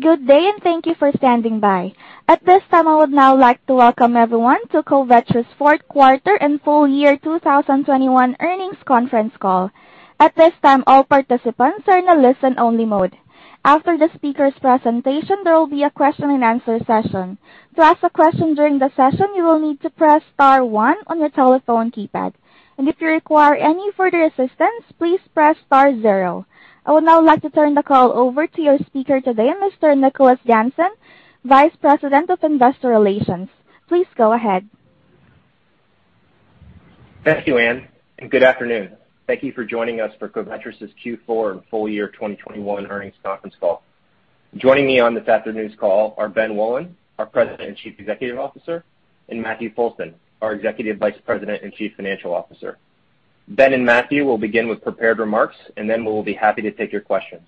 Good day, and thank you for standing by. At this time, I would now like to welcome everyone to Covetrus' Q4 and Full Year 2021 Earnings Conference Call. At this time, all participants are in a listen-only mode. After the speaker's presentation, there will be a Q&A session. To ask a question during the session, you will need to press star one on your telephone keypad. If you require any further assistance, please press star zero. I would now like to turn the call over to your speaker today, Mr. Nicholas Jansen, Vice President of Investor Relations. Please go ahead. Thank you, Anne, and good afternoon. Thank you for joining us for Covetrus' Q4 and Full Year 2021 Earnings Conference Call. Joining me on this afternoon's call are Ben Wolin, our President and Chief Executive Officer, and Matthew Foulston, our Executive Vice President and Chief Financial Officer. Ben and Matthew will begin with prepared remarks, and then we will be happy to take your questions.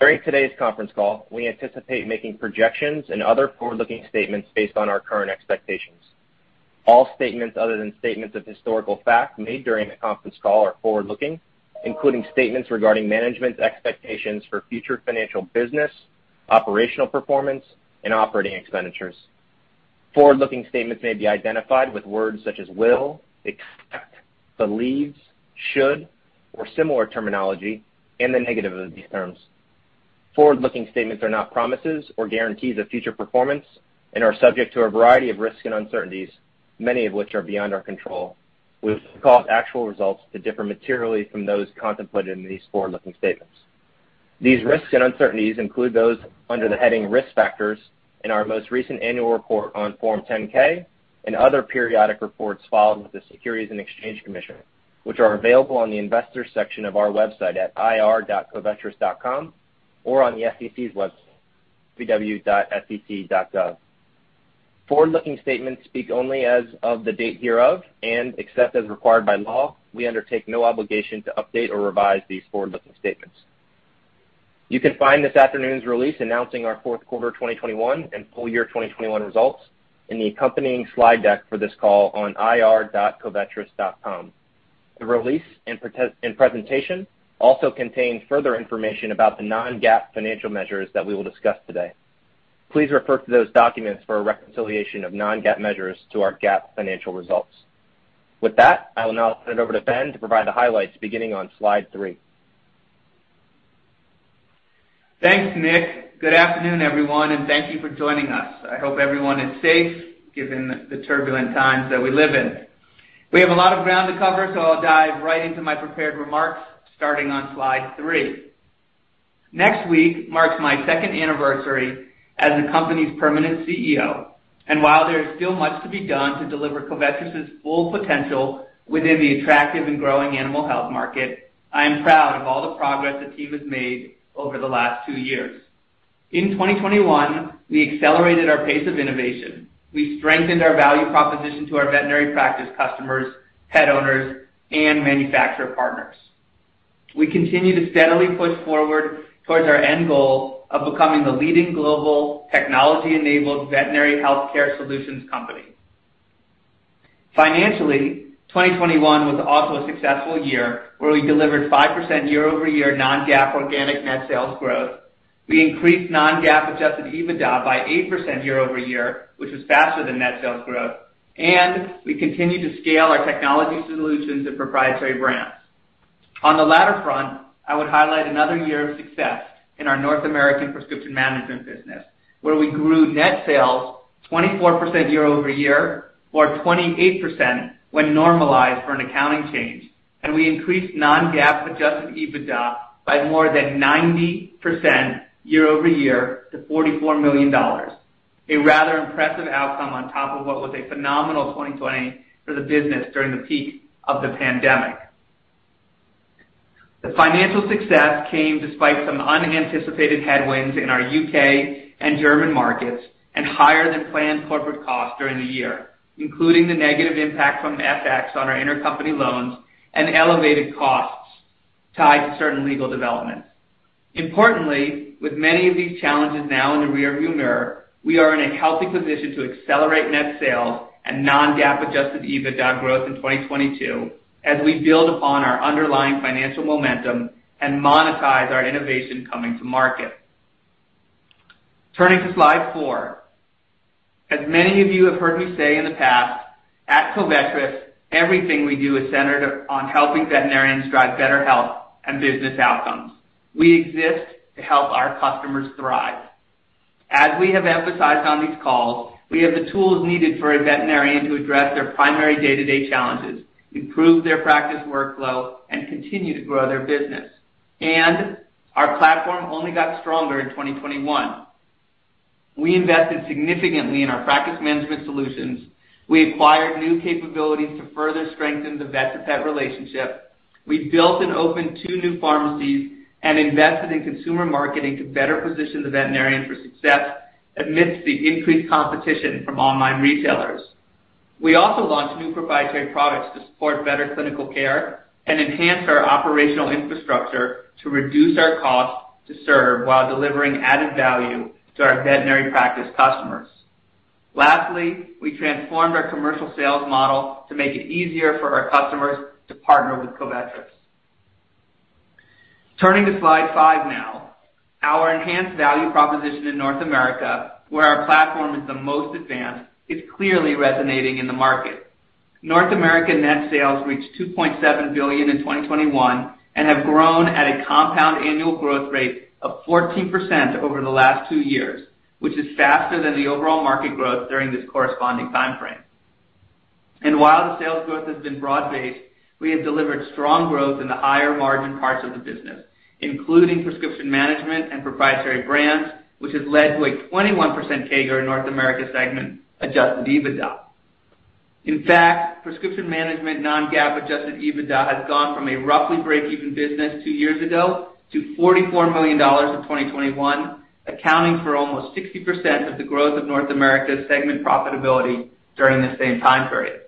During today's Conference Call, we anticipate making projections and other forward-looking statements based on our current expectations. All statements other than statements of historical fact made during the conference call are forward-looking, including statements regarding management's expectations for future financial business, operational performance, and operating expenditures. Forward-looking statements may be identified with words such as will, expect, believes, should, or similar terminology and the negative of these terms. Forward-looking statements are not promises or guarantees of future performance and are subject to a variety of risks and uncertainties, many of which are beyond our control, which cause actual results to differ materially from those contemplated in these forward-looking statements. These risks and uncertainties include those under the heading Risk Factors in our most recent annual report on Form 10-K and other periodic reports filed with the Securities and Exchange Commission, which are available on the investors section of our website at ir.covetrus.com or on the SEC's website, sec.gov. Forward-looking statements speak only as of the date hereof, and except as required by law, we undertake no obligation to update or revise these forward-looking statements. You can find this afternoon's release announcing our Q4 2021 and full year 2021 results in the accompanying slide deck for this call on ir.covetrus.com. The release and presentation also contain further information about the non-GAAP financial measures that we will discuss today. Please refer to those documents for a reconciliation of non-GAAP measures to our GAAP financial results. With that, I will now turn it over to Ben to provide the highlights beginning on slide three. Thanks, Nick. Good afternoon, everyone, and thank you for joining us. I hope everyone is safe given the turbulent times that we live in. We have a lot of ground to cover, so I'll dive right into my prepared remarks starting on slide three. Next week marks my second anniversary as the company's permanent CEO, and while there is still much to be done to deliver Covetrus' full potential within the attractive and growing animal health market, I am proud of all the progress the team has made over the last two years. In 2021, we accelerated our pace of innovation. We strengthened our value proposition to our veterinary practice customers, pet owners, and manufacturer partners. We continue to steadily push forward towards our end goal of becoming the leading global technology-enabled veterinary healthcare solutions company. Financially, 2021 was also a successful year where we delivered 5% year-over-year non-GAAP organic net sales growth. We increased non-GAAP adjusted EBITDA by 8% year-over-year, which was faster than net sales growth, and we continued to scale our technology solutions and proprietary brands. On the latter front, I would highlight another year of success in our North American prescription management business, where we grew net sales 24% year-over-year or 28% when normalized for an accounting change. We increased non-GAAP adjusted EBITDA by more than 90% year-over-year to $44 million, a rather impressive outcome on top of what was a phenomenal 2020 for the business during the peak of the pandemic. The financial success came despite some unanticipated headwinds in our U.K. and German markets and higher-than-planned corporate costs during the year, including the negative impact from FX on our intercompany loans and elevated costs tied to certain legal developments. Importantly, with many of these challenges now in the rearview mirror, we are in a healthy position to accelerate net sales and non-GAAP-adjusted EBITDA growth in 2022 as we build upon our underlying financial momentum and monetize our innovation coming to market. Turning to slide four. As many of you have heard me say in the past, at Covetrus, everything we do is centered on helping veterinarians drive better health and business outcomes. We exist to help our customers thrive. As we have emphasized on these calls, we have the tools needed for a veterinarian to address their primary day-to-day challenges, improve their practice workflow, and continue to grow their business. Our platform only got stronger in 2021. We invested significantly in our practice management solutions. We acquired new capabilities to further strengthen the vet-to-pet relationship. We built and opened two new pharmacies and invested in consumer marketing to better position the veterinarian for success amidst the increased competition from online retailers. We also launched new proprietary products to support better clinical care and enhanced our operational infrastructure to reduce our cost to serve while delivering added value to our veterinary practice customers. Lastly, we transformed our commercial sales model to make it easier for our customers to partner with Covetrus. Turning to slide five now. Our enhanced value proposition in North America, where our platform is the most advanced, is clearly resonating in the market. North America net sales reached $2.7 billion in 2021, and have grown at a compound annual growth rate of 14% over the last two years, which is faster than the overall market growth during this corresponding time frame. While the sales growth has been broad-based, we have delivered strong growth in the higher margin parts of the business, including prescription management and proprietary brands, which has led to a 21% CAGR North America segment adjusted EBITDA. In fact, prescription management non-GAAP adjusted EBITDA has gone from a roughly break-even business two years ago to $44 million in 2021, accounting for almost 60% of the growth of North America's segment profitability during the same time period.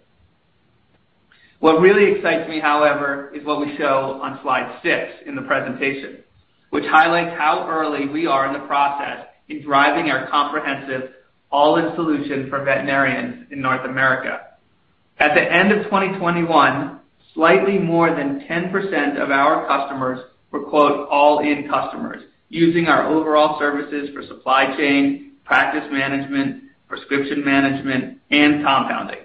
What really excites me, however, is what we show on slide six in the presentation, which highlights how early we are in the process in driving our comprehensive all-in solution for veterinarians in North America. At the end of 2021, slightly more than 10% of our customers were, quote, "all-in customers", using our overall services for supply chain, practice management, prescription management, and compounding.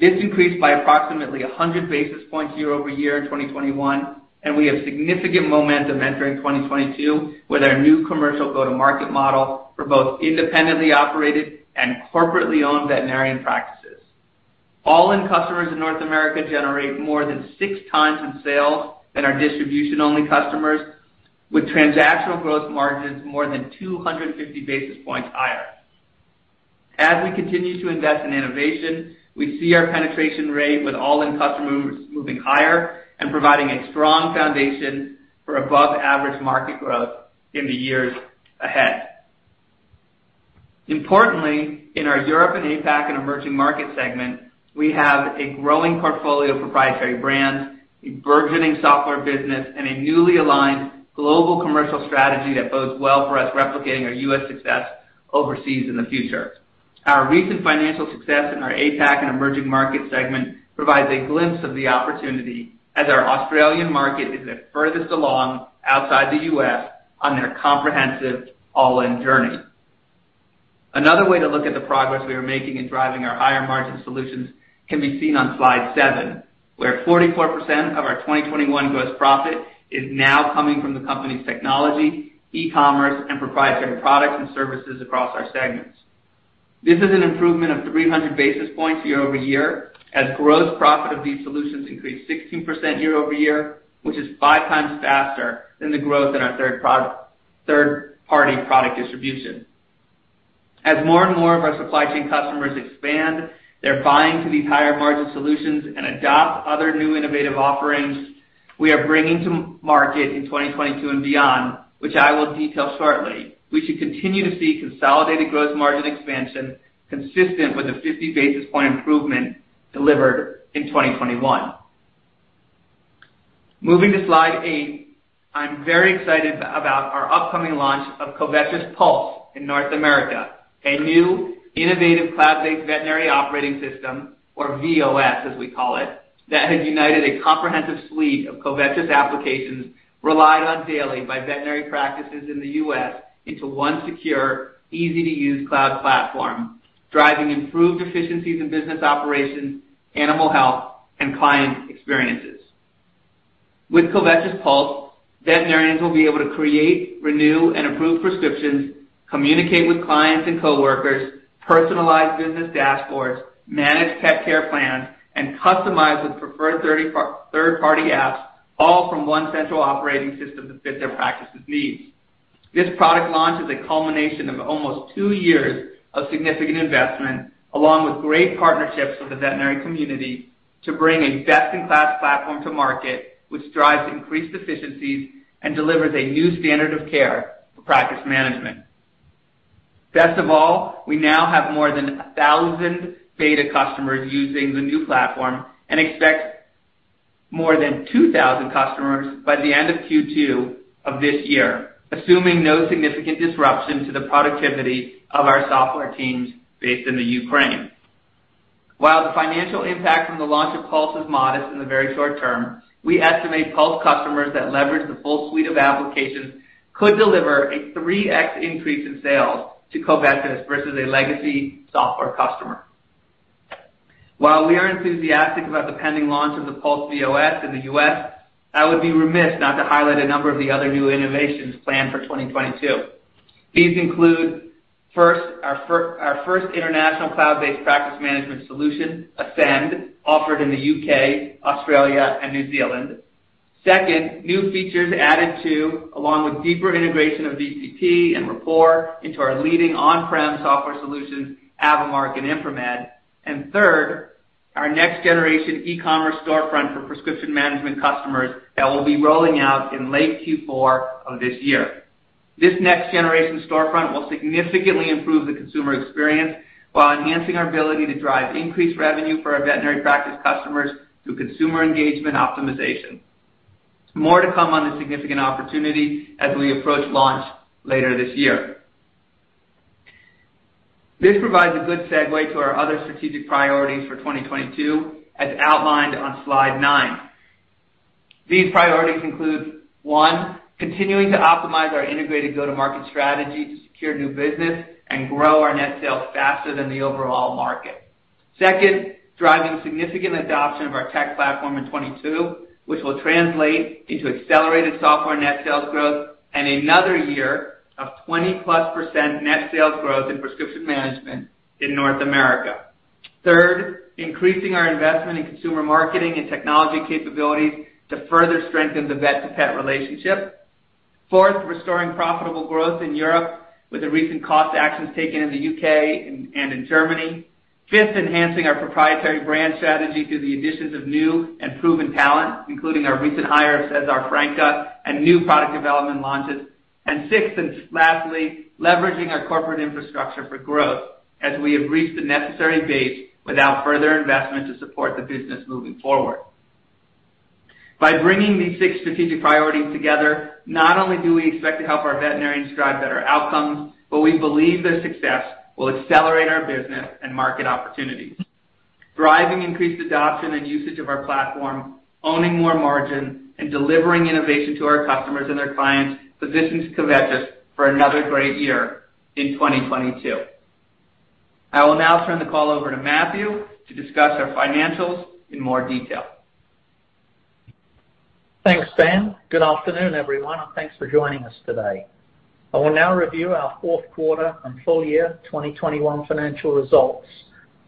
This increased by approximately 100 basis points year-over-year in 2021, and we have significant momentum entering 2022 with our new commercial go-to-market model for both independently operated and corporately owned veterinarian practices. All-in customers in North America generate more than six times in sales than our distribution-only customers, with transactional growth margins more than 250 basis points higher. As we continue to invest in innovation, we see our penetration rate with all-in customers moving higher and providing a strong foundation for above average market growth in the years ahead. Importantly, in our Europe and APAC and emerging market segment, we have a growing portfolio of proprietary brands, a burgeoning software business, and a newly aligned global commercial strategy that bodes well for us replicating our U.S. success overseas in the future. Our recent financial success in our APAC and emerging market segment provides a glimpse of the opportunity as our Australian market is the furthest along outside the U.S. on their comprehensive all-in journey. Another way to look at the progress we are making in driving our higher margin solutions can be seen on slide seven, where 44% of our 2021 gross profit is now coming from the company's technology, e-commerce, and proprietary products and services across our segments. This is an improvement of 300 basis points year-over-year, as gross profit of these solutions increased 16% year-over-year, which is five times faster than the growth in our third-party product distribution. As more and more of our supply chain customers expand, they're buying into these higher margin solutions and adopt other new innovative offerings we are bringing to market in 2022 and beyond, which I will detail shortly. We should continue to see consolidated gross margin expansion consistent with the 50 basis point improvement delivered in 2021. Moving to slide eight. I'm very excited about our upcoming launch of Covetrus Pulse in North America, a new innovative cloud-based veterinary operating system, or VOS, as we call it, that has united a comprehensive suite of Covetrus applications relied on daily by veterinary practices in the U.S. into one secure, easy-to-use cloud platform, driving improved efficiencies in business operations, animal health, and client experiences. With Covetrus Pulse, veterinarians will be able to create, renew, and approve prescriptions, communicate with clients and coworkers, personalize business dashboards, manage pet care plans, and customize with preferred third-party apps, all from one central operating system to fit their practices' needs. This product launch is a culmination of almost two years of significant investment, along with great partnerships with the veterinary community to bring a best-in-class platform to market, which drives increased efficiencies and delivers a new standard of care for practice management. Best of all, we now have more than 1,000 beta customers using the new platform and expect more than 2,000 customers by the end of Q2 of this year, assuming no significant disruption to the productivity of our software teams based in the Ukraine. While the financial impact from the launch of Pulse is modest in the very short term, we estimate Pulse customers that leverage the full suite of applications could deliver a 3x increase in sales to Covetrus versus a legacy software customer. While we are enthusiastic about the pending launch of the Pulse VOS in the U.S., I would be remiss not to highlight a number of the other new innovations planned for 2022. These include, first, our first international cloud-based practice management solution, Ascend, offered in the U.K., Australia, and New Zealand. Second, new features added to, along with deeper integration of VCP and Rapport into our leading on-prem software solutions, AVImark and ImproMed. Third, our next generation e-commerce storefront for prescription management customers that we'll be rolling out in late Q4 of this year. This next generation storefront will significantly improve the consumer experience while enhancing our ability to drive increased revenue for our veterinary practice customers through consumer engagement optimization. More to come on this significant opportunity as we approach launch later this year. This provides a good segue to our other strategic priorities for 2022 as outlined on slide nine. These priorities include, one, continuing to optimize our integrated go-to-market strategy to secure new business and grow our net sales faster than the overall market. Second, driving significant adoption of our tech platform in 2022, which will translate into accelerated software net sales growth and another year of 20%+ net sales growth in prescription management in North America. Third, increasing our investment in consumer marketing and technology capabilities to further strengthen the vet-to-pet relationship. Fourth, restoring profitable growth in Europe with the recent cost actions taken in the U.K. and in Germany. Fifth, enhancing our proprietary brand strategy through the additions of new and proven talent, including our recent hire, César França, and new product development launches. Sixth, and lastly, leveraging our corporate infrastructure for growth as we have reached the necessary base without further investment to support the business moving forward. By bringing these six strategic priorities together, not only do we expect to help our veterinarians drive better outcomes, but we believe their success will accelerate our business and market opportunities. Driving increased adoption and usage of our platform, owning more margin, and delivering innovation to our customers and their clients positions Covetrus for another great year in 2022. I will now turn the call over to Matthew to discuss our financials in more detail. Thanks, Ben. Good afternoon, everyone, and thanks for joining us today. I will now review our Q4 and Full Year 2021 Financial Results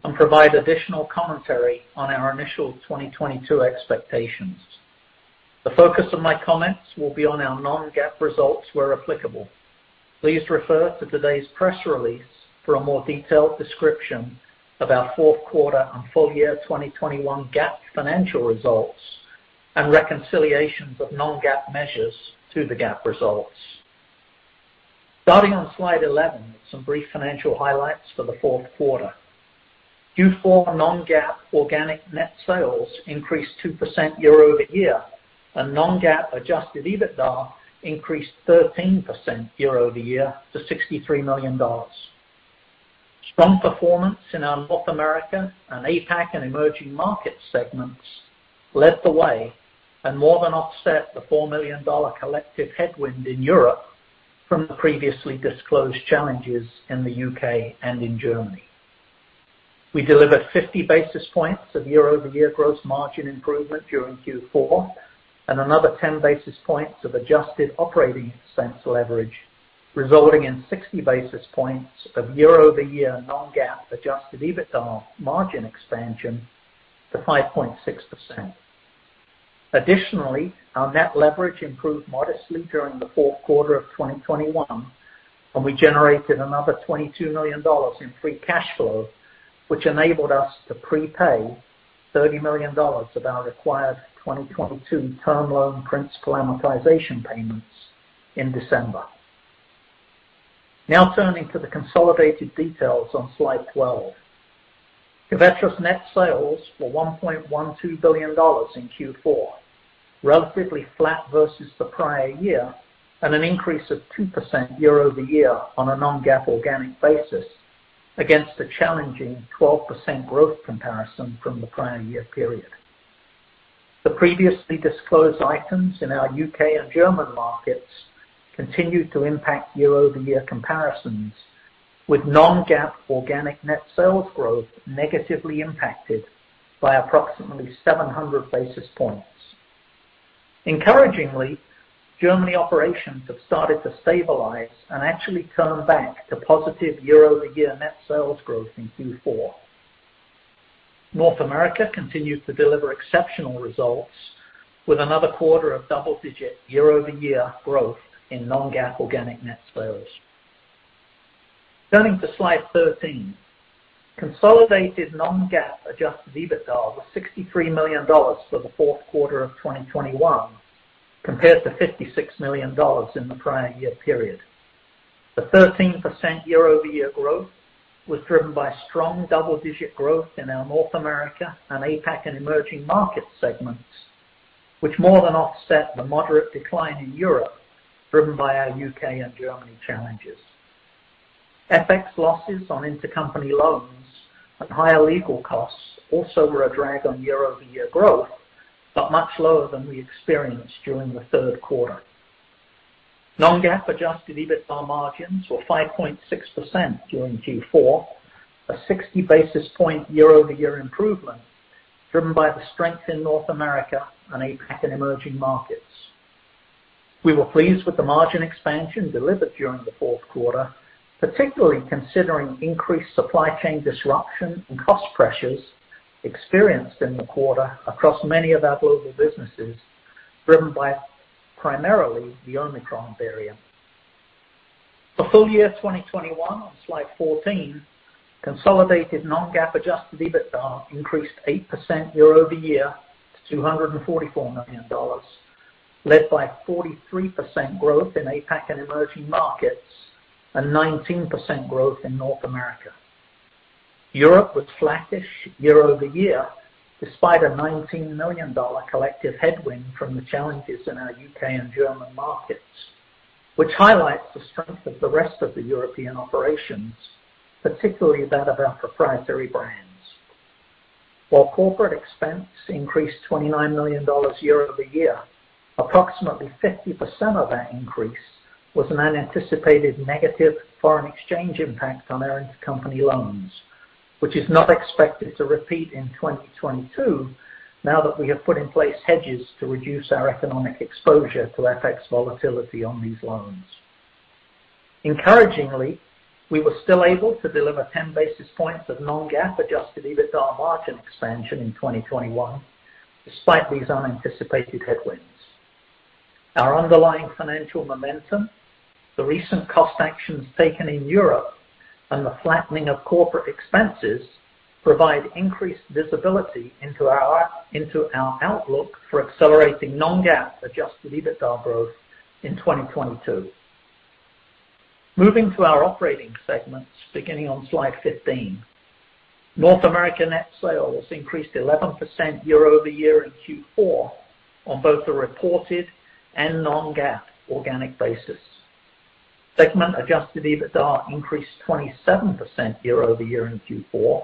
and provide additional commentary on our initial 2022 expectations. The focus of my comments will be on our non-GAAP results where applicable. Please refer to today's press release for a more detailed description of our Q4 and full year 2021 GAAP financial results and reconciliations of non-GAAP measures to the GAAP results. Starting on slide 11, some brief financial highlights for Q4. Q4 non-GAAP organic net sales increased 2% year-over-year, and non-GAAP adjusted EBITDA increased 13% year-over-year to $63 million. Strong performance in our North America and APAC and emerging market segments led the way and more than offset the $4 million collective headwind in Europe from the previously disclosed challenges in the U.K. and in Germany. We delivered 50 basis points of year-over-year gross margin improvement during Q4, and another 10 basis points of adjusted operating expense leverage, resulting in 60 basis points of year-over-year non-GAAP adjusted EBITDA margin expansion to 5.6%. Additionally, our net leverage improved modestly during the Q4 of 2021, and we generated another $22 million in free cash flow, which enabled us to prepay $30 million of our required 2022 term loan principal amortization payments in December. Now turning to the consolidated details on slide 12. Covetrus net sales were $1.12 billion in Q4, relatively flat versus the prior year and an increase of 2% year-over-year on a non-GAAP organic basis against a challenging 12% growth comparison from the prior year period. The previously disclosed items in our U.K. and German markets continued to impact year-over-year comparisons, with non-GAAP organic net sales growth negatively impacted by approximately 700 basis points. Encouragingly, Germany operations have started to stabilize and actually turn back to positive year-over-year net sales growth in Q4. North America continued to deliver exceptional results with another quarter of double-digit year-over-year growth in non-GAAP organic net sales. Turning to slide 13. Consolidated non-GAAP adjusted EBITDA was $63 million for Q4 of 2021, compared to $56 million in the prior year period. The 13% year-over-year growth was driven by strong double-digit growth in our North America and APAC and emerging market segments, which more than offset the moderate decline in Europe, driven by our U.K. and Germany challenges. FX losses on intercompany loans and higher legal costs also were a drag on year-over-year growth, but much lower than we experienced during Q3. non-GAAP adjusted EBITDA margins were 5.6% during Q4, a 60 basis point year-over-year improvement driven by the strength in North America and APAC and emerging markets. We were pleased with the margin expansion delivered during Q4, particularly considering increased supply chain disruption and cost pressures experienced in the quarter across many of our global businesses, driven by primarily the Omicron variant. For full year 2021 on slide 14, consolidated non-GAAP adjusted EBITDA increased 8% year-over-year to $244 million, led by 43% growth in APAC and emerging markets and 19% growth in North America. Europe was flattish year-over-year, despite a $19 million collective headwind from the challenges in our U.K. and German markets, which highlights the strength of the rest of the European operations, particularly that of our proprietary brands. While corporate expense increased $29 million year-over-year, approximately 50% of that increase was an unanticipated negative foreign exchange impact on our intercompany loans, which is not expected to repeat in 2022 now that we have put in place hedges to reduce our economic exposure to FX volatility on these loans. Encouragingly, we were still able to deliver 10 basis points of non-GAAP adjusted EBITDA margin expansion in 2021 despite these unanticipated headwinds. Our underlying financial momentum, the recent cost actions taken in Europe, and the flattening of corporate expenses provide increased visibility into our outlook for accelerating non-GAAP adjusted EBITDA growth in 2022. Moving to our operating segments, beginning on slide 15. North America net sales increased 11% year-over-year in Q4 on both the reported and non-GAAP organic basis. Segment adjusted EBITDA increased 27% year-over-year in Q4,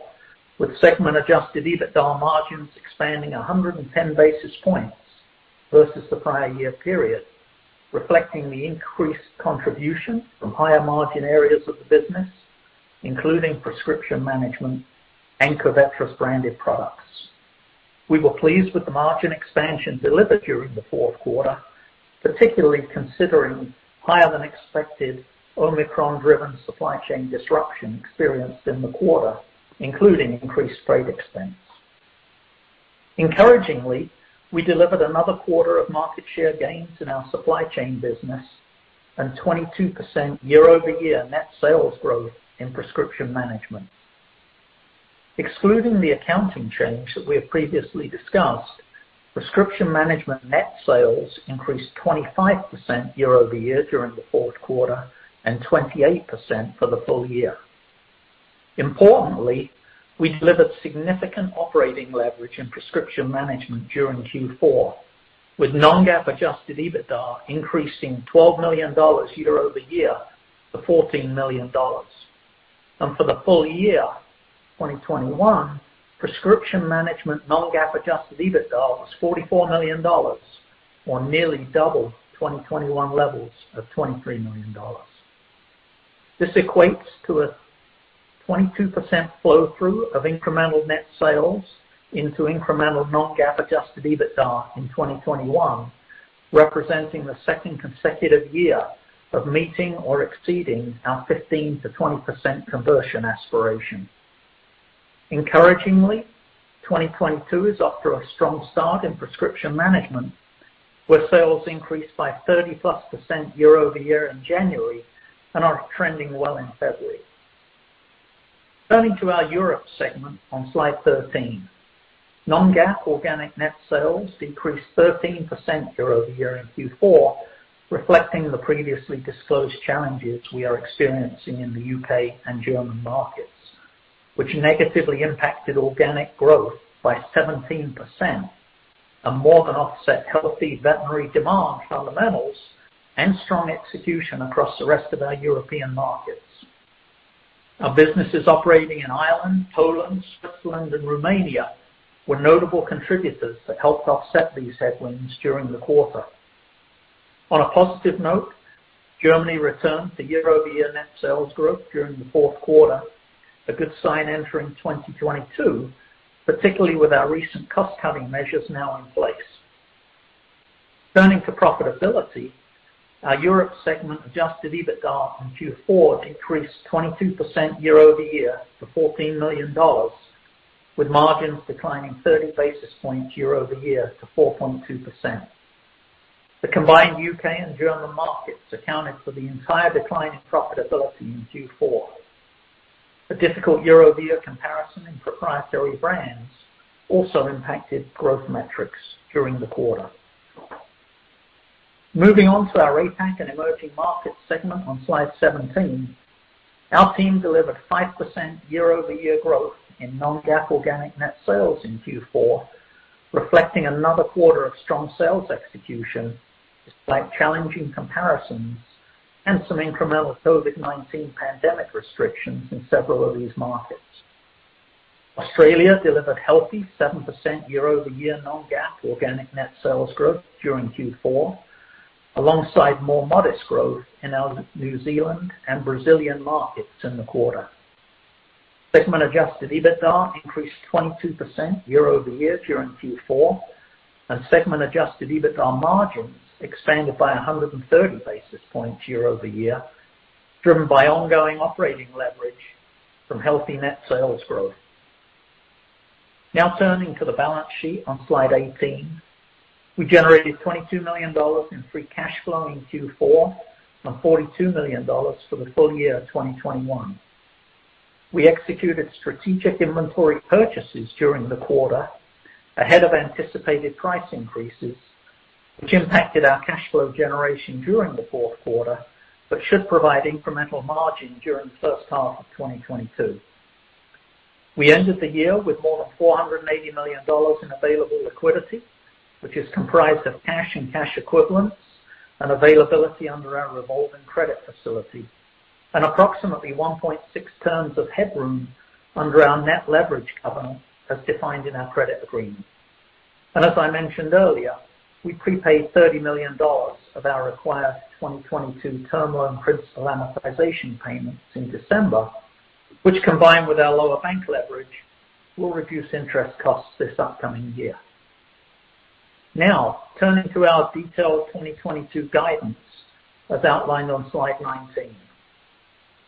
with segment adjusted EBITDA margins expanding 110 basis points versus the prior year period, reflecting the increased contribution from higher margin areas of the business, including prescription management and Covetrus branded products. We were pleased with the margin expansion delivered during Q4, particularly considering higher than expected Omicron-driven supply chain disruption experienced in the quarter, including increased freight expense. Encouragingly, we delivered another quarter of market share gains in our supply chain business and 22% year-over-year net sales growth in prescription management. Excluding the accounting change that we have previously discussed, prescription management net sales increased 25% year-over-year during Q4 and 28% for the full year. Importantly, we delivered significant operating leverage in prescription management during Q4, with non-GAAP adjusted EBITDA increasing $12 million year-over-year to $14 million. For the full year 2021, prescription management non-GAAP adjusted EBITDA was $44 million, or nearly double 2021 levels of $23 million. This equates to a 22% flow through of incremental net sales into incremental non-GAAP adjusted EBITDA in 2021, representing the second consecutive year of meeting or exceeding our 15%-20% conversion aspiration. Encouragingly, 2022 is off to a strong start in prescription management, where sales increased by 30+% year-over-year in January and are trending well in February. Turning to our Europe segment on slide 13. Non-GAAP organic net sales decreased 13% year-over-year in Q4, reflecting the previously disclosed challenges we are experiencing in the U.K. and German markets, which negatively impacted organic growth by 17% and more than offset healthy veterinary demand fundamentals and strong execution across the rest of our European markets. Our businesses operating in Ireland, Poland, Switzerland, and Romania were notable contributors that helped offset these headwinds during the quarter. On a positive note, Germany returned to year-over-year net sales growth during Q4, a good sign entering 2022, particularly with our recent cost-cutting measures now in place. Turning to profitability, our Europe segment adjusted EBITDA in Q4 decreased 22% year-over-year to $14 million, with margins declining 30 basis points year-over-year to 4.2%. The combined U.K. and German markets accounted for the entire decline in profitability in Q4. A difficult year-over-year comparison in proprietary brands also impacted growth metrics during the quarter. Moving on to our APAC and emerging markets segment on slide 17. Our team delivered 5% year-over-year growth in non-GAAP organic net sales in Q4, reflecting another quarter of strong sales execution despite challenging comparisons and some incremental COVID-19 pandemic restrictions in several of these markets. Australia delivered healthy 7% year-over-year non-GAAP organic net sales growth during Q4, alongside more modest growth in our New Zealand and Brazilian markets in the quarter. Segment adjusted EBITDA increased 22% year-over-year during Q4, and segment adjusted EBITDA margins expanded by 130 basis points year-over-year, driven by ongoing operating leverage from healthy net sales growth. Now turning to the balance sheet on slide 18. We generated $22 million in free cash flow in Q4 and $42 million for the full year of 2021. We executed strategic inventory purchases during the quarter ahead of anticipated price increases, which impacted our cash flow generation during Q4, but should provide incremental margin during H1 2022. We ended the year with more than $480 million in available liquidity, which is comprised of cash and cash equivalents and availability under our revolving credit facility. Approximately 1.6 times of headroom under our net leverage covenant, as defined in our credit agreement. As I mentioned earlier, we prepaid $30 million of our required 2022 term loan principal amortization payments in December, which combined with our lower bank leverage, will reduce interest costs this upcoming year. Now, turning to our detailed 2022 guidance, as outlined on slide 19.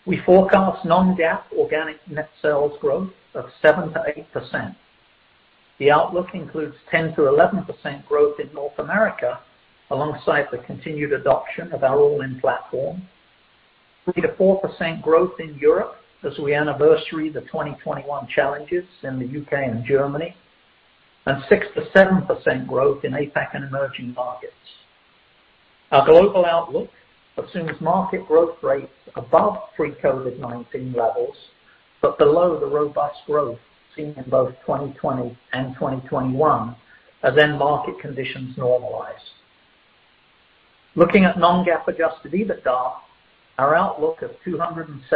We forecast non-GAAP organic net sales growth of 7%-8%. The outlook includes 10%-11% growth in North America, alongside the continued adoption of our All In platform. 3%-4% growth in Europe as we anniversary the 2021 challenges in the U.K. and Germany. Six to 7% growth in APAC and emerging markets. Our global outlook assumes market growth rates above pre-COVID-19 levels, but below the robust growth seen in both 2020 and 2021 as the market conditions normalize. Looking at non-GAAP adjusted EBITDA, our outlook of $270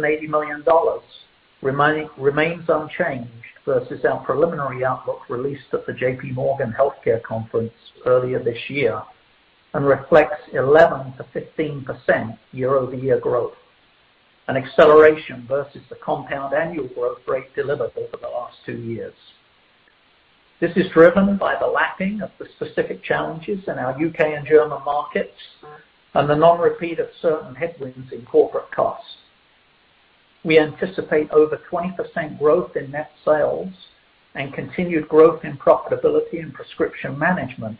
million-$280 million remains unchanged versus our preliminary outlook released at the J.P. Morgan Healthcare Conference earlier this year, and reflects 11%-15% year-over-year growth, an acceleration versus the compound annual growth rate delivered over the last two years. This is driven by the lapping of the specific challenges in our U.K. and German markets and the non-repeat of certain headwinds in corporate costs. We anticipate over 20% growth in net sales and continued growth in profitability and prescription management,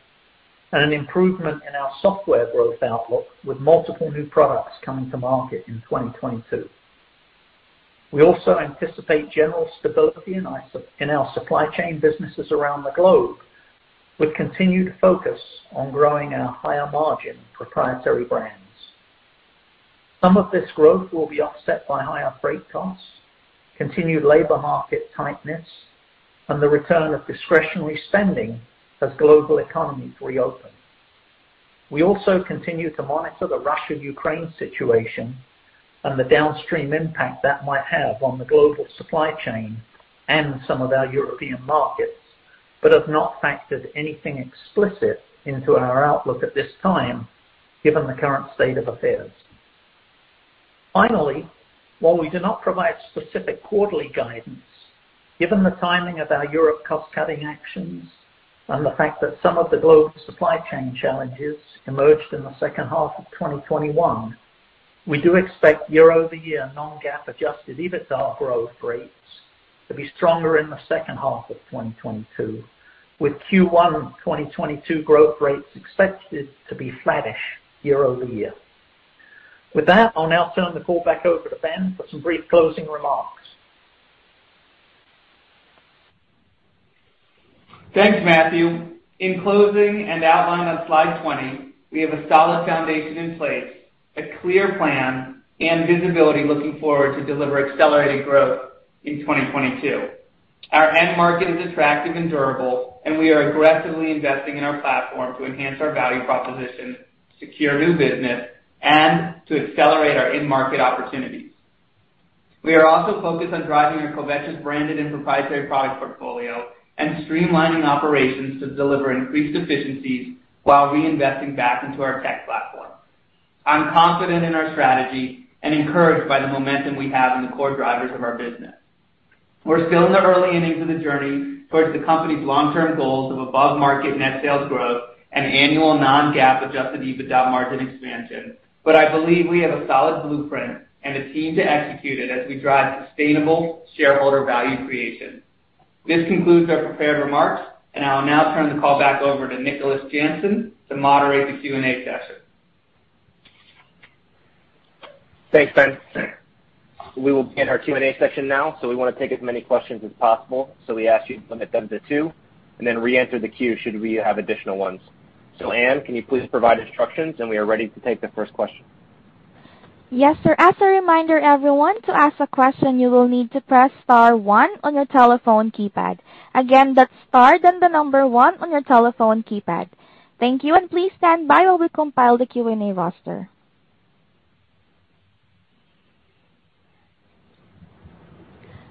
and an improvement in our software growth outlook with multiple new products coming to market in 2022. We also anticipate general stability in our supply chain businesses around the globe with continued focus on growing our higher margin proprietary brands. Some of this growth will be offset by higher freight costs, continued labor market tightness, and the return of discretionary spending as global economies reopen. We also continue to monitor the Russia-Ukraine situation and the downstream impact that might have on the global supply chain and some of our European markets, but have not factored anything explicit into our outlook at this time, given the current state of affairs. Finally, while we do not provide specific quarterly guidance, given the timing of our Europe cost-cutting actions and the fact that some of the global supply chain challenges emerged in H2 2021, we do expect year-over-year non-GAAP adjusted EBITDA growth rates to be stronger in H2 of 2022, with Q1 2022 growth rates expected to be flattish year-over-year. With that, I'll now turn the call back over to Ben for some brief closing remarks. Thanks, Matthew. In closing and outlined on slide 20, we have a solid foundation in place, a clear plan and visibility looking forward to deliver accelerated growth in 2022. Our end market is attractive and durable, and we are aggressively investing in our platform to enhance our value proposition, secure new business, and to accelerate our end market opportunities. We are also focused on driving our Covetrus branded and proprietary product portfolio and streamlining operations to deliver increased efficiencies while reinvesting back into our tech platform. I'm confident in our strategy and encouraged by the momentum we have in the core drivers of our business. We're still in the early innings of the journey towards the company's long-term goals of above-market net sales growth and annual non-GAAP adjusted EBITDA margin expansion. I believe we have a solid blueprint and a team to execute it as we drive sustainable shareholder value creation. This concludes our prepared remarks, and I will now turn the call back over to Nicholas Jansen to moderate the Q&A session. Thanks, Ben. We will begin our Q&A session now, we wanna take as many questions as possible. We ask you to limit them to two and then reenter the queue should we have additional ones. Anne, can you please provide instructions? We are ready to take the first question. Yes, sir. As a reminder, everyone, to ask a question, you will need to press star one on your telephone keypad. Again, that's star, then the number one on your telephone keypad. Thank you, and please stand by while we compile the Q&A roster.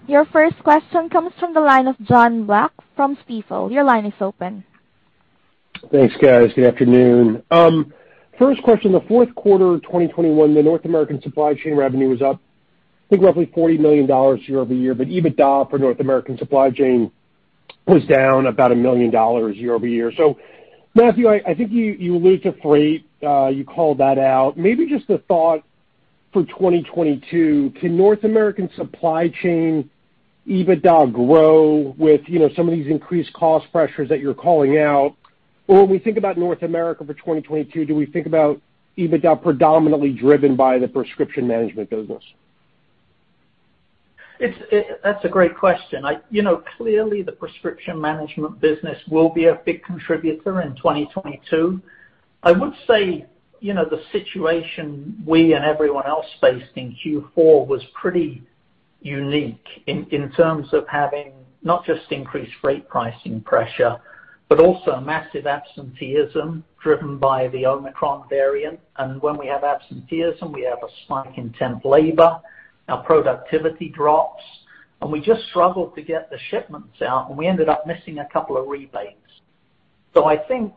Your first question comes from the line of Jon Block from Stifel. Your line is open. Thanks, guys. Good afternoon. First question, Q4 2021, the North American supply chain revenue was up, I think roughly $40 million year-over-year, but EBITDA for North American supply chain was down about $1 million year-over-year. Matthew, I think you allude to freight, you called that out. Maybe just a thought for 2022, can North American supply chain EBITDA grow with, you know, some of these increased cost pressures that you're calling out? Or when we think about North America for 2022, do we think about EBITDA predominantly driven by the prescription management business? That's a great question. You know, clearly the prescription management business will be a big contributor in 2022. I would say, you know, the situation we and everyone else faced in Q4 was pretty unique in terms of having not just increased rate pricing pressure, but also massive absenteeism driven by the Omicron variant. When we have absenteeism, we have a spike in temp labor, our productivity drops, and we just struggled to get the shipments out, and we ended up missing a couple of rebates. I think,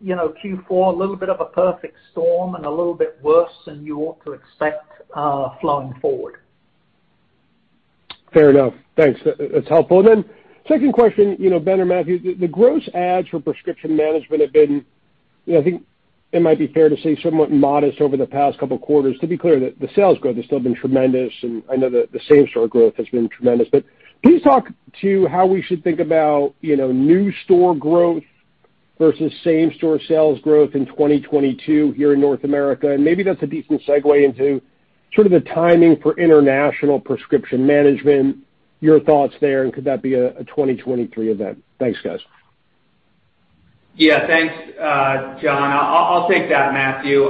you know, Q4, a little bit of a perfect storm and a little bit worse than you ought to expect, going forward. Fair enough. Thanks. That's helpful. Then second question, you know, Ben or Matthew, the gross adds for prescription management have been, you know, I think it might be fair to say somewhat modest over the past couple quarters. To be clear, the sales growth has still been tremendous, and I know the same-store growth has been tremendous. Please talk about how we should think about, you know, new store growth versus same-store sales growth in 2022 here in North America. Maybe that's a decent segue into sort of the timing for international prescription management, your thoughts there, and could that be a 2023 event? Thanks, guys. Thanks, John. I'll take that, Matthew.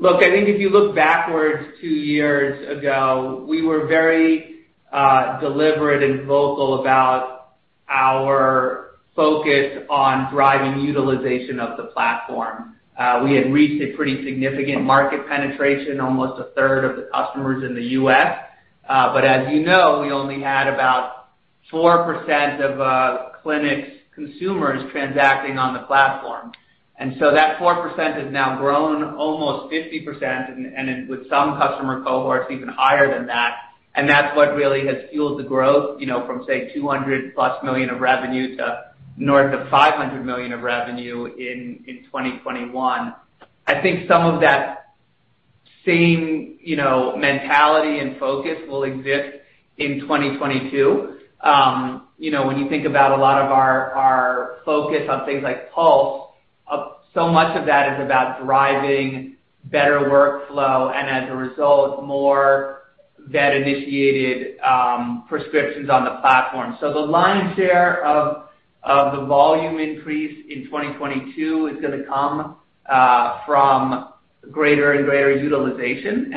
Look, I think if you look backwards two years ago, we were very deliberate and vocal about our focus on driving utilization of the platform. We had reached a pretty significant market penetration, almost 1/3 of the customers in the U.S. But as you know, we only had about 4% of clinics consumers transacting on the platform. And so that 4% has now grown almost 50% and with some customer cohorts even higher than that. And that's what really has fueled the growth, you know, from, say, $200+ million of revenue to north of $500 million of revenue in 2021. I think some of that same, you know, mentality and focus will exist in 2022. You know, when you think about a lot of our focus on things like Pulse, so much of that is about driving better workflow, and as a result, more vet-initiated prescriptions on the platform. The lion's share of the volume increase in 2022 is gonna come from greater and greater utilization.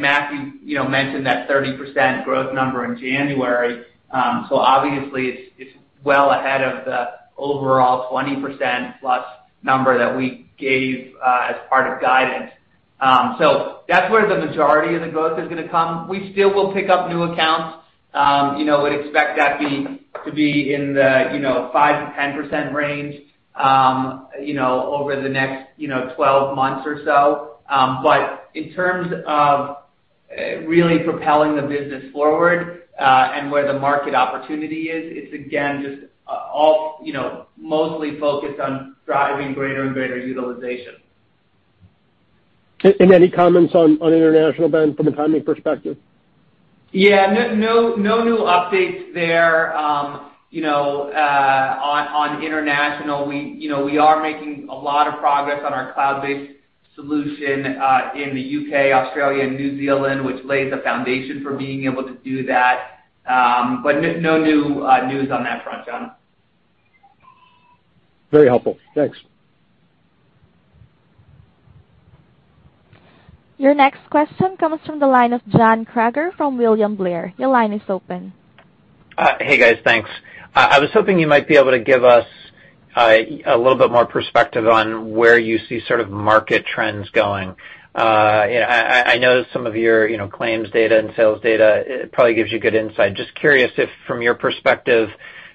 Matthew, you know, mentioned that 30% growth number in January. Obviously it's well ahead of the overall 20%+ number that we gave as part of guidance. That's where the majority of the growth is gonna come. We still will pick up new accounts. You know, would expect that to be in the 5%-10% range, you know, over the next 12 months or so. In terms of really propelling the business forward, and where the market opportunity is, it's again just all you know mostly focused on driving greater and greater utilization. Any comments on international, Ben, from a timing perspective? Yeah. No new updates there on international. We are making a lot of progress on our cloud-based solution in the U.K., Australia, and New Zealand, which lays a foundation for being able to do that. No new news on that front, John. Very helpful. Thanks. Your next question comes from the line of John Kreger from William Blair. Your line is open. Hey, guys. Thanks. I was hoping you might be able to give us a little bit more perspective on where you see sort of market trends going. You know, I know some of your, you know, claims data and sales data probably gives you good insight. Just curious if from your perspective,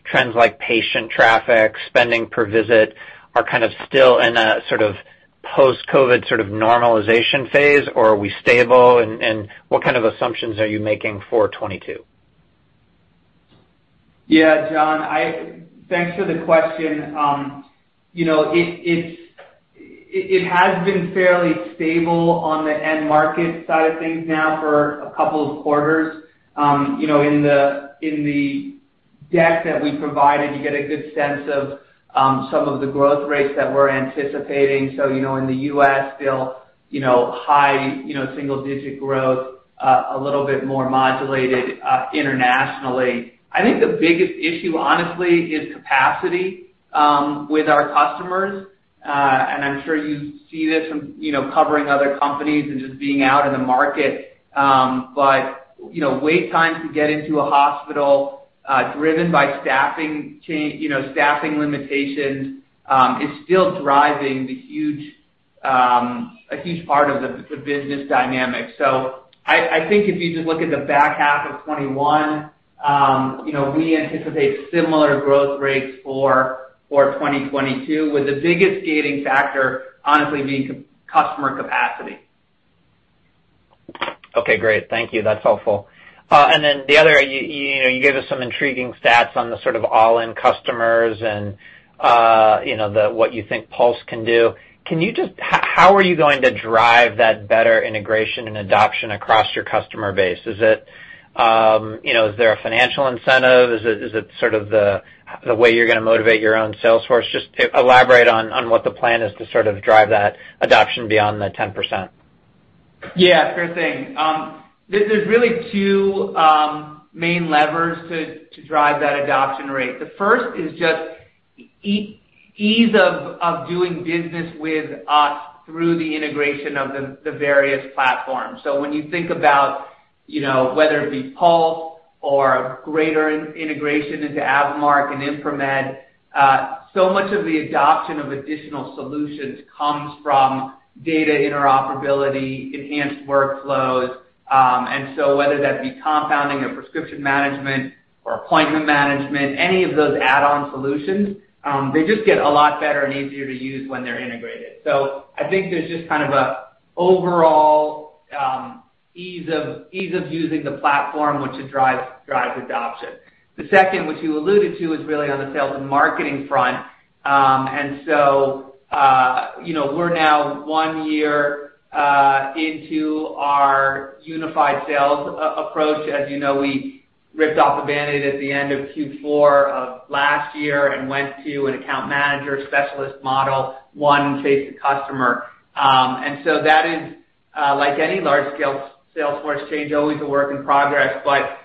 trends like patient traffic, spending per visit are kind of still in a sort of post-COVID sort of normalization phase, or are we stable, and what kind of assumptions are you making for 2022? Yeah, John. Thanks for the question. You know, it has been fairly stable on the end market side of things now for a couple of quarters. You know, in the deck that we provided, you get a good sense of some of the growth rates that we're anticipating. You know, in the U.S. still, you know, high, you know, single digit growth, a little bit more modulated internationally. I think the biggest issue honestly is capacity with our customers. I'm sure you see this from you know, covering other companies and just being out in the market. You know, wait times to get into a hospital driven by staffing limitations is still driving a huge part of the business dynamic. I think if you just look at the back half of 2021, you know, we anticipate similar growth rates for 2022, with the biggest gating factor honestly being customer capacity. Okay. Great. Thank you. That's helpful. And then the other, you know, you gave us some intriguing stats on the sort of all-in customers and, you know, what you think Pulse can do. Can you just how are you going to drive that better integration and adoption across your customer base? Is it, you know, is there a financial incentive? Is it sort of the way you're gonna motivate your own sales force? Just elaborate on what the plan is to sort of drive that adoption beyond the 10%. Yeah, sure thing. There's really two main levers to drive that adoption rate. The first is just ease of doing business with us through the integration of the various platforms. When you think about, you know, whether it be Pulse or greater integration into AVImark and ImproMed, so much of the adoption of additional solutions comes from data interoperability, enhanced workflows. Whether that be compounding or prescription management or appointment management, any of those add-on solutions, they just get a lot better and easier to use when they're integrated. I think there's just kind of a overall ease of using the platform, which drives adoption. The second, which you alluded to, is really on the sales and marketing front. You know, we're now one year into our unified sales approach. As you know, we ripped off the Band-Aid at the end of Q4 of last year and went to an account manager specialist model, one face to customer. That is, like any large-scale sales force change, always a work in progress, but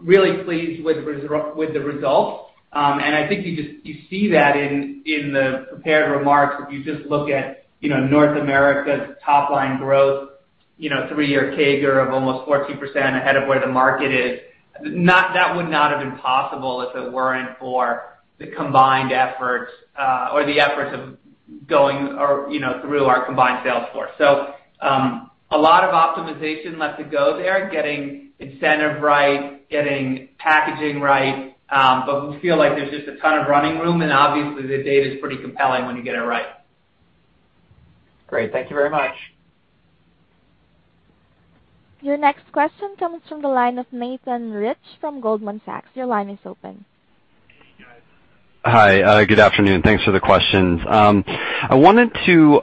really pleased with the results. I think you just see that in the prepared remarks, if you just look at, you know, North America's top-line growth, you know, three-year CAGR of almost 14% ahead of where the market is. That would not have been possible if it weren't for the combined efforts through our combined sales force. A lot of optimization left to go there, getting incentive right, getting packaging right. We feel like there's just a ton of running room. Obviously, the data is pretty compelling when you get it right. Great. Thank you very much. Your next question comes from the line of Nathan Rich from Goldman Sachs. Your line is open. Hi. Good afternoon. Thanks for the questions. I wanted to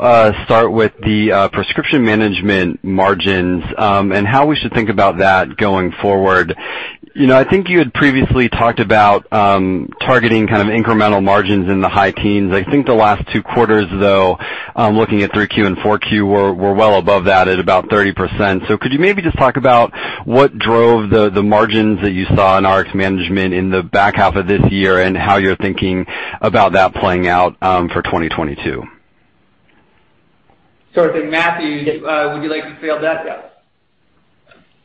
start with the prescription management margins and how we should think about that going forward. You know, I think you had previously talked about targeting kind of incremental margins in the high teens. I think the last two quarters, though, looking at Q3 and Q4, were well above that at about 30%. Could you maybe just talk about what drove the margins that you saw in RX management in the back half of this year and how you're thinking about that playing out for 2022? Sure thing. Matthew, would you like to field that? Yeah.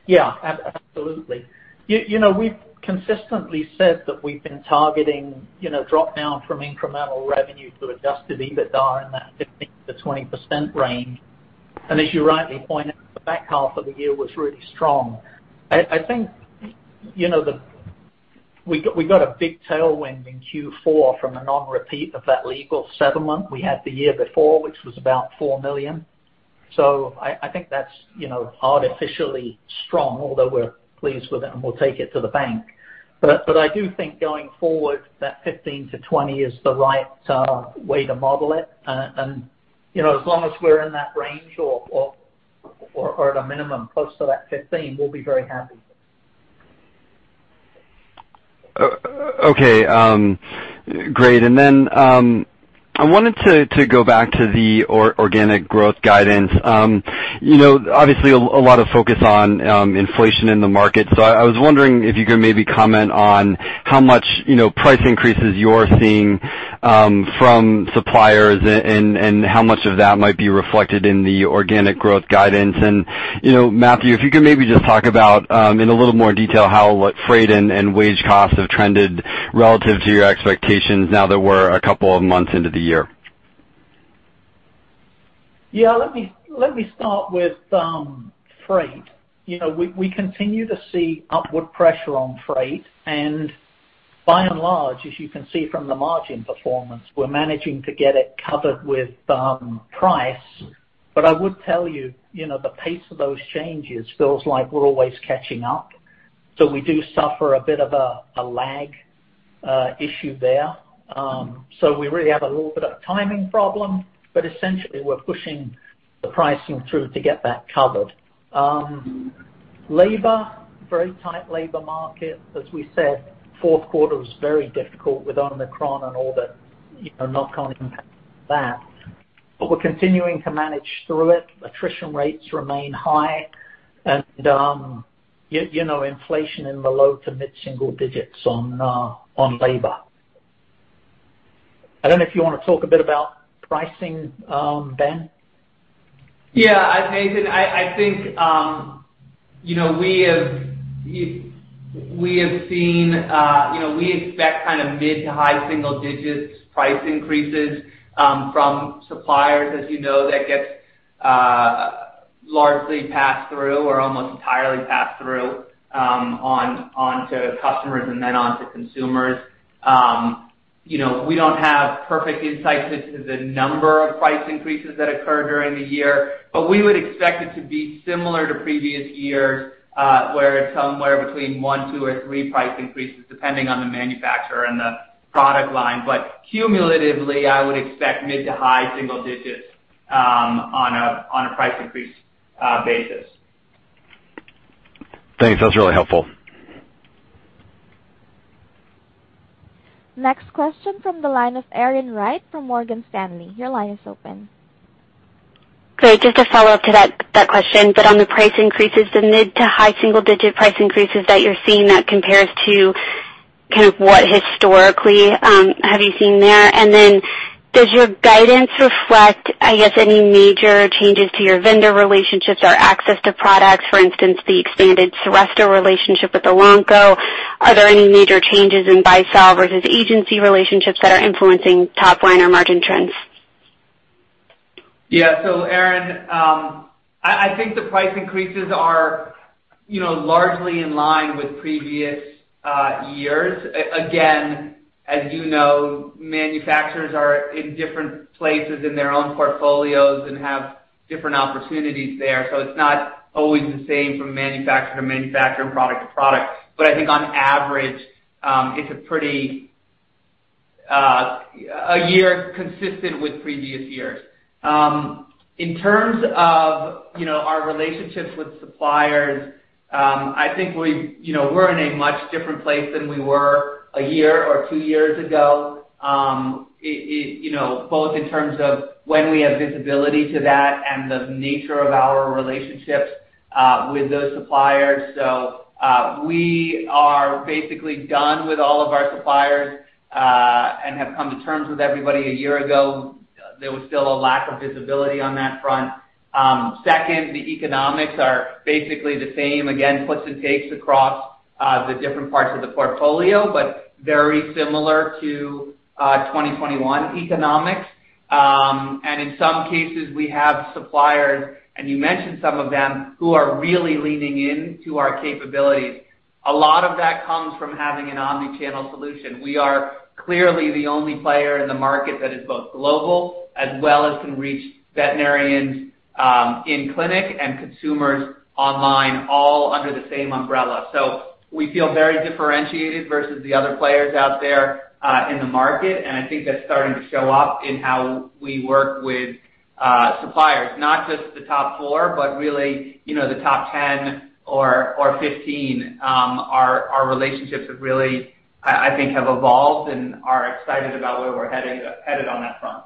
Yeah, absolutely. You know, we've consistently said that we've been targeting, you know, drop down from incremental revenue to adjusted EBITDA in that 15%-20% range. As you rightly pointed out, the back half of the year was really strong. I think, you know, we got a big tailwind in Q4 from a non-repeat of that legal settlement we had the year before, which was about $4 million. I think that's, you know, artificially strong, although we're pleased with it, and we'll take it to the bank. I do think going forward, that 15%-20% is the right way to model it. You know, as long as we're in that range or at a minimum close to that 15%, we'll be very happy. Okay. Great. Then I wanted to go back to the organic growth guidance. You know, obviously, a lot of focus on inflation in the market. I was wondering if you could maybe comment on how much, you know, price increases you're seeing from suppliers and how much of that might be reflected in the organic growth guidance. You know, Matthew, if you could maybe just talk about in a little more detail how, like, freight, and wage costs have trended relative to your expectations now that we're a couple of months into the year. Yeah. Let me start with freight. You know, we continue to see upward pressure on freight. By and large, as you can see from the margin performance, we're managing to get it covered with price. I would tell you know, the pace of those changes feels like we're always catching up. We do suffer a bit of a lag issue there. We really have a little bit of timing problem. Essentially, we're pushing the pricing through to get that covered. Labor, very tight labor market. As we said, Q4 was very difficult with Omicron and all the, you know, knock-on impact of that, but we're continuing to manage through it. Attrition rates remain high and, you know, inflation in the low to mid-single digits on labor. I don't know if you wanna talk a bit about pricing, Ben. Yeah. Nathan, I think, you know, we have seen, you know, we expect kind of mid to high single digits price increases from suppliers. As you know, that gets largely passed through or almost entirely passed through on to customers and then on to consumers. You know, we don't have perfect insight into the number of price increases that occur during the year, but we would expect it to be similar to previous years, where it's somewhere between one, two or three price increases, depending on the manufacturer and the product line. Cumulatively, I would expect mid to high single digits on a price increase basis. Thanks. That's really helpful. Next question from the line of Erin Wright from Morgan Stanley. Your line is open. Great. Just to follow up to that question, but on the price increases, the mid- to high-single-digit price increases that you're seeing that compares to kind of what historically have you seen there? And then does your guidance reflect, I guess, any major changes to your vendor relationships or access to products, for instance, the expanded Seresto relationship with Elanco? Are there any major changes in buy-sell versus agency relationships that are influencing top line or margin trends? Yeah. Erin, I think the price increases are, you know, largely in line with previous years. Again, as you know, manufacturers are in different places in their own portfolios and have different opportunities there. It's not always the same from manufacturer to manufacturer and product to product. I think on average, it's a pretty consistent year with previous years. In terms of, you know, our relationships with suppliers, I think you know, we're in a much different place than we were a year or two years ago. You know, both in terms of when we have visibility to that and the nature of our relationships with those suppliers. We are basically done with all of our suppliers and have come to terms with everybody. A year ago, there was still a lack of visibility on that front. Second, the economics are basically the same. Again, puts and takes across the different parts of the portfolio, but very similar to 2021 economics. In some cases, we have suppliers, and you mentioned some of them, who are really leaning into our capabilities. A lot of that comes from having an omni-channel solution. We are clearly the only player in the market that is both global as well as can reach veterinarians in clinic and consumers online, all under the same umbrella. We feel very differentiated versus the other players out there in the market, and I think that's starting to show up in how we work with suppliers. Not just the top four, but really, you know, the top ten or fifteen. Our relationships have really, I think, have evolved and are excited about where we're headed on that front.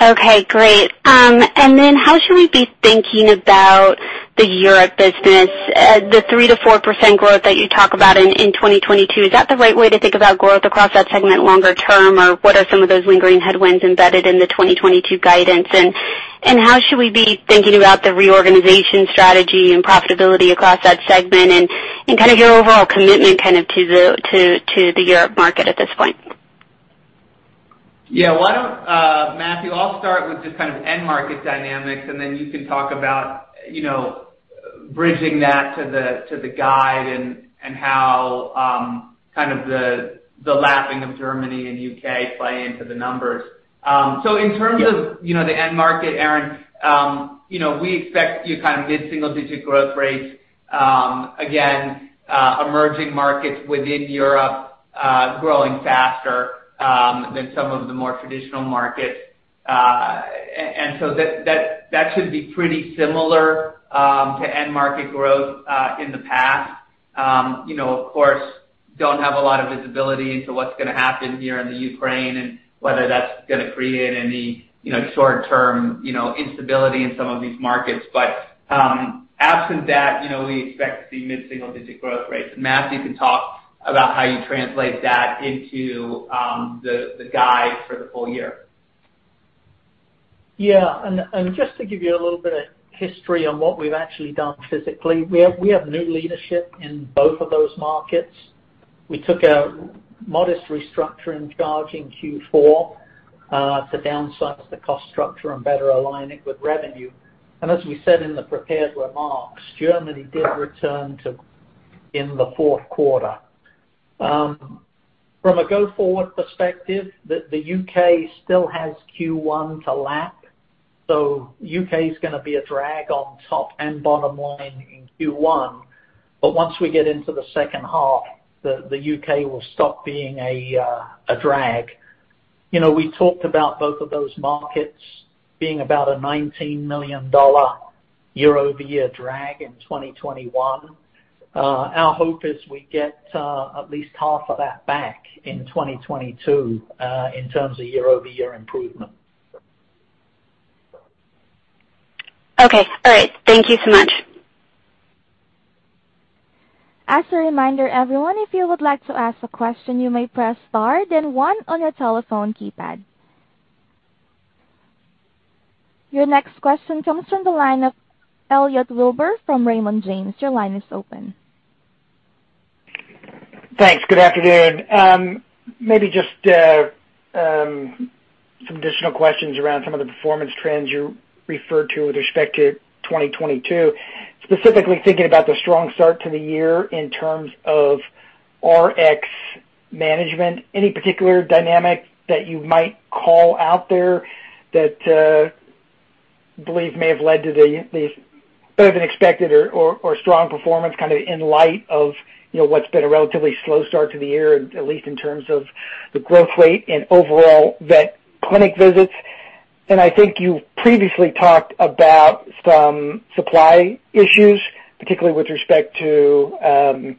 Okay, great. And then how should we be thinking about the Europe business? The 3%-4% growth that you talk about in 2022, is that the right way to think about growth across that segment longer term? Or what are some of those lingering headwinds embedded in the 2022 guidance? And how should we be thinking about the reorganization strategy and profitability across that segment and kinda your overall commitment kind of to the Europe market at this point? Yeah. Why don't, Matthew, I'll start with just kind of end market dynamics, and then you can talk about, you know, bridging that to the guide and how kind of the lapping of Germany and U.K. play into the numbers. In terms of- Yeah. You know, the end market, Erin. You know, we expect to see kind of mid-single digit growth rates. Again, emerging markets within Europe growing faster than some of the more traditional markets. That should be pretty similar to end market growth in the past. You know, of course, we don't have a lot of visibility into what's gonna happen here in the Ukraine, and whether that's gonna create any, you know, short-term instability in some of these markets. Absent that, you know, we expect to see mid-single digit growth rates. Matthew can talk about how you translate that into the guide for the full year. Just to give you a little bit of history on what we've actually done physically, we have new leadership in both of those markets. We took a modest restructuring charge in Q4 to downsize the cost structure and better align it with revenue. As we said in the prepared remarks, Germany did return to in the fourth quarter. From a go-forward perspective, the U.K. still has Q1 to lap. U.K.'s gonna be a drag on top and bottom line in Q1. Once we get into the second half, the U.K. will stop being a drag. You know, we talked about both of those markets being about a $19 million year-over-year drag in 2021. Our hope is we get at least half of that back in 2022 in terms of year-over-year improvement. Okay. All right. Thank you so much. As a reminder, everyone, if you would like to ask a question, you may press star then one on your telephone keypad. Your next question comes from the line of Elliot Wilbur from Raymond James. Your line is open. Thanks. Good afternoon. Maybe just some additional questions around some of the performance trends you referred to with respect to 2022. Specifically thinking about the strong start to the year in terms of RX management. Any particular dynamic that you might call out there that believe may have led to the better-than-expected or strong performance kinda in light of, you know, what's been a relatively slow start to the year, at least in terms of the growth rate and overall vet clinic visits? I think you've previously talked about some supply issues, particularly with respect to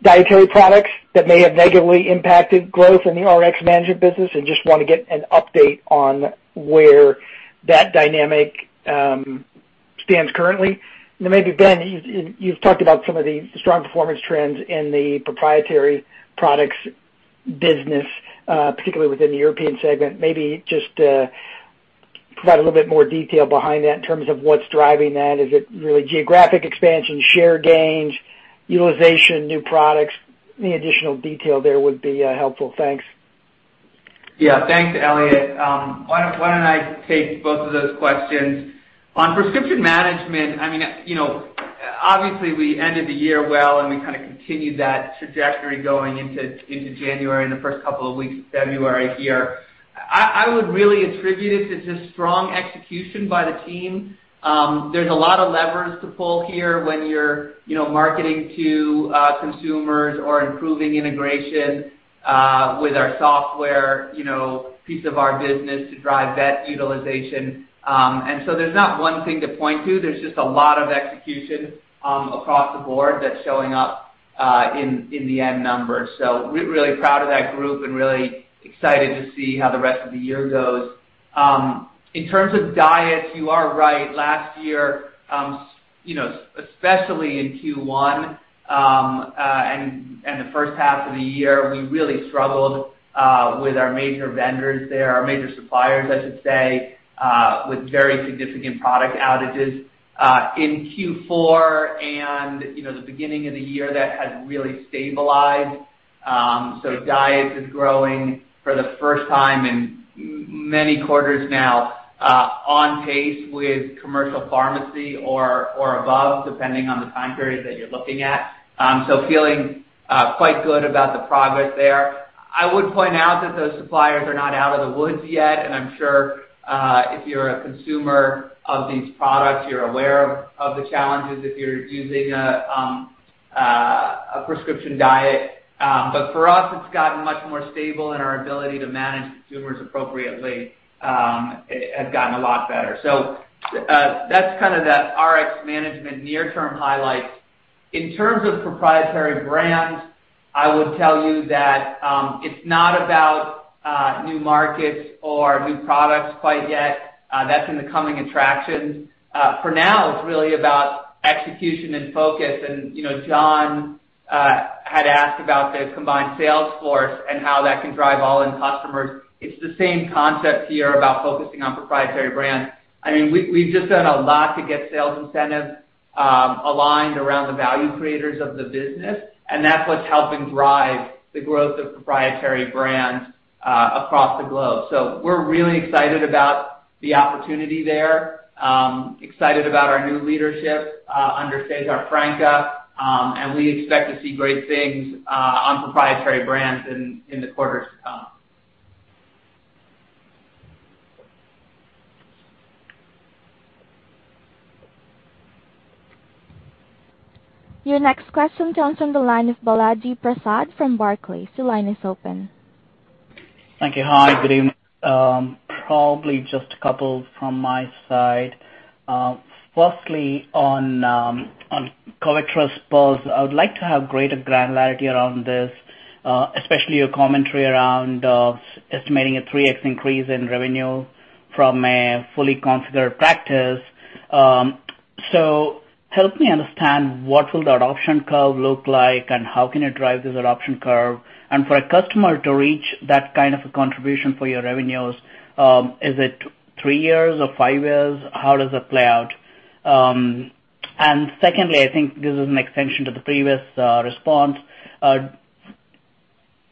dietary products that may have negatively impacted growth in the RX management business, and just wanna get an update on where that dynamic stands currently. Maybe, Ben, you've talked about some of the strong performance trends in the proprietary products business, particularly within the European segment. Maybe just provide a little bit more detail behind that in terms of what's driving that. Is it really geographic expansion, share gains, utilization, new products? Any additional detail there would be helpful. Thanks. Yeah. Thanks, Elliot. Why don't I take both of those questions. On prescription management, I mean, you know, obviously, we ended the year well, and we kinda continued that trajectory going into January and the first couple of weeks of February here. I would really attribute it to just strong execution by the team. There's a lot of levers to pull here when you're, you know, marketing to consumers or improving integration with our software, you know, piece of our business to drive that utilization. There's not one thing to point to. There's just a lot of execution across the board that's showing up in the end numbers. We're really proud of that group and really excited to see how the rest of the year goes. In terms of diets, you are right. Last year, you know, especially in Q1 and H1, we really struggled with our major vendors there, our major suppliers, I should say, with very significant product outages. In Q4 and, you know, the beginning of the year, that has really stabilized. Diets is growing for the first time in many quarters now, on pace with commercial pharmacy or above, depending on the time period that you're looking at. Feeling quite good about the progress there. I would point out that those suppliers are not out of the woods yet, and I'm sure if you're a consumer of these products, you're aware of the challenges if you're using a prescription diet. For us, it's gotten much more stable, and our ability to manage consumers appropriately has gotten a lot better. That's kind of the RX management near-term highlights. In terms of proprietary brands, I would tell you that, it's not about new markets or new products quite yet. That's in the coming attractions. For now, it's really about execution and focus. You know, John, had asked about the combined sales force and how that can drive all-in customers. It's the same concept here about focusing on proprietary brands. I mean, we've just done a lot to get sales incentives aligned around the value creators of the business, and that's what's helping drive the growth of proprietary brands across the globe. We're really excited about the opportunity there, excited about our new leadership under César França, and we expect to see great things on Proprietary Brands in the quarters to come. Your next question comes from the line of Balaji Prasad from Barclays. Your line is open. Thank you. Hi, good evening. Probably just a couple from my side. Firstly, on Covetrus Pulse, I would like to have greater granularity around this, especially your commentary around estimating a 3x increase in revenue from a fully configured practice. Help me understand what the adoption curve will look like and how can you drive this adoption curve. For a customer to reach that kind of a contribution for your revenues, is it three years or five years? How does it play out? Secondly, I think this is an extension to the previous response.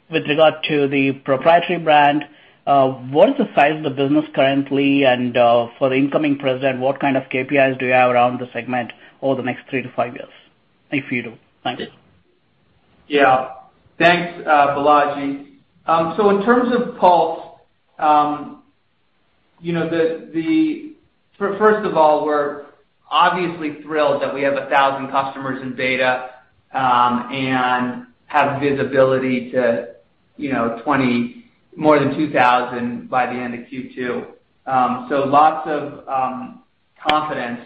With regard to the proprietary brand, what is the size of the business currently? For the incoming president, what kind of KPIs do you have around the segment over the next three to five years, if you do? Thank you. Yeah. Thanks, Balaji. In terms of Pulse, you know, first of all, we're obviously thrilled that we have 1,000 customers in beta, and have visibility to, you know, more than 2,000 by the end of Q2. Lots of confidence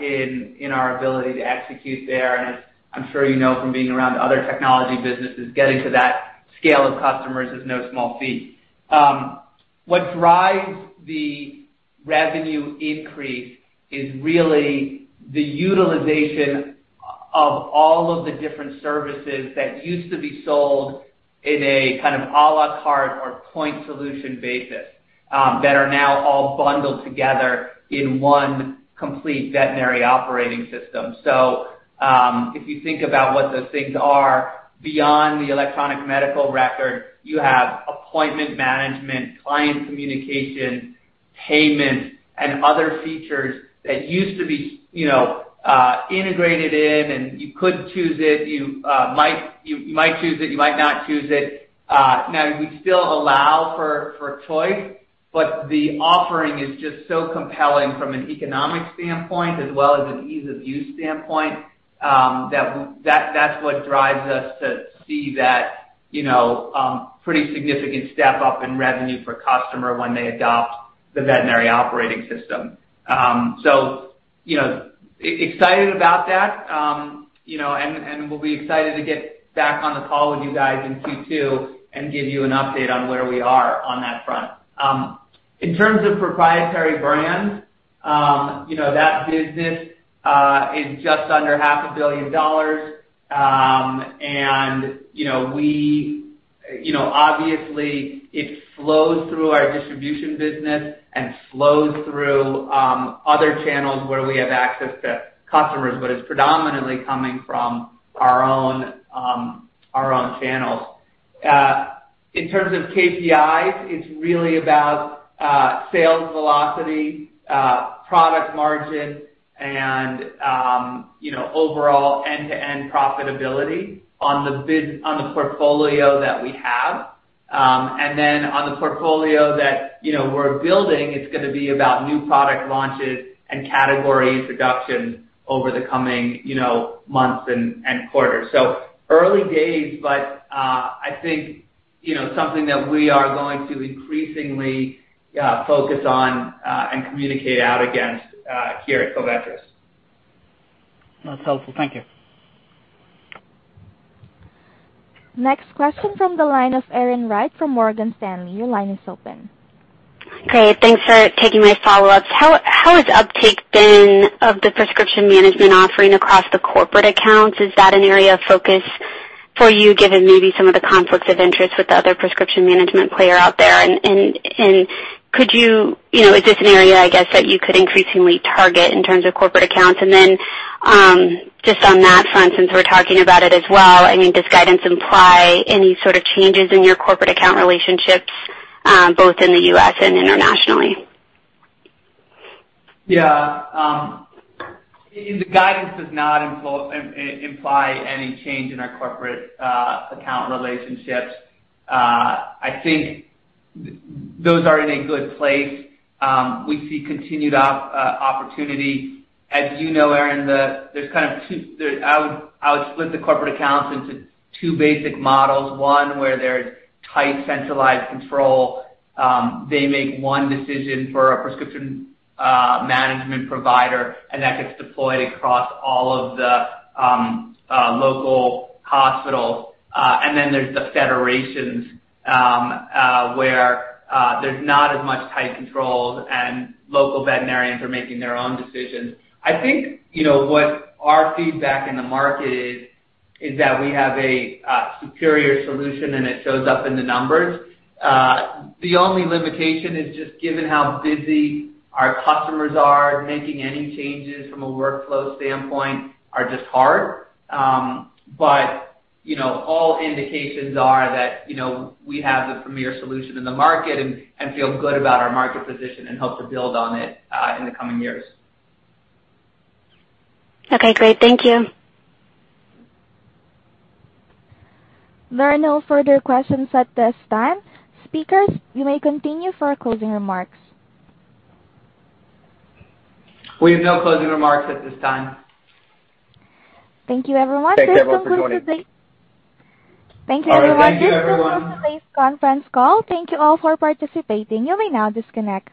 in our ability to execute there. As I'm sure you know from being around other technology businesses, getting to that scale of customers is no small feat. What drives the revenue increase is really the utilization of all of the different services that used to be sold in a kind of à la carte or point solution basis, that are now all bundled together in one complete veterinary operating system. If you think about what those things are beyond the electronic medical record, you have appointment management, client communication, payments, and other features that used to be, you know, integrated in, and you couldn't choose it. You might choose it, you might not choose it. Now we still allow for choice, but the offering is just so compelling from an economic standpoint as well as an ease of use standpoint, that that's what drives us to see that. You know, pretty significant step up in revenue for customer when they adopt the veterinary operating system. You know, excited about that, you know, and we'll be excited to get back on the call with you guys in Q2 and give you an update on where we are on that front. In terms of proprietary brands, you know, that business is just under half a billion dollars. You know, obviously, it flows through our distribution business and flows through other channels where we have access to customers, but it's predominantly coming from our own channels. In terms of KPIs, it's really about sales velocity, product margin and, you know, overall end-to-end profitability on the portfolio that we have. On the portfolio that, you know, we're building, it's gonna be about new product launches and category introductions over the coming, you know, months and quarters. Early days, but I think, you know, something that we are going to increasingly focus on and communicate out against here at Covetrus. That's helpful. Thank you. Next question from the line of Erin Wright from Morgan Stanley. Your line is open. Great. Thanks for taking my follow-ups. How has uptake been of the prescription management offering across the corporate accounts? Is that an area of focus for you, given maybe some of the conflicts of interest with the other prescription management player out there? You know, is this an area, I guess, that you could increasingly target in terms of corporate accounts? Then, just on that front, since we're talking about it as well, I mean, does guidance imply any sort of changes in your corporate account relationships, both in the U.S. and internationally? Yeah. The guidance does not imply any change in our corporate account relationships. I think those are in a good place. We see continued opportunity. As you know, Erin, I would split the corporate accounts into two basic models. One, where there's tight centralized control, they make one decision for a prescription management provider, and that gets deployed across all of the local hospitals. And then there's the federations, where there's not as much tight controls, and local veterinarians are making their own decisions. I think, you know, what our feedback in the market is that we have a superior solution, and it shows up in the numbers. The only limitation is just given how busy our customers are, making any changes from a workflow standpoint are just hard. You know, all indications are that, you know, we have the premier solution in the market and feel good about our market position and hope to build on it in the coming years. Okay, great. Thank you. There are no further questions at this time. Speakers, you may continue for closing remarks. We have no closing remarks at this time. Thank you, everyone. Thanks, everyone, for joining. This concludes today's. All right. Thank you, everyone. Thank you, everyone. This concludes today's conference call. Thank you all for participating. You may now disconnect.